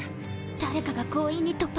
誰かが強引に突破した。